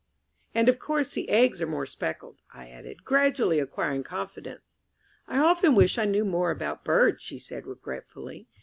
"And of course the eggs are more speckled," I added, gradually acquiring confidence. "I often wish I knew more about birds," she said regretfully.